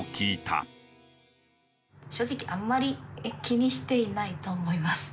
正直あんまり気にしていないと思います。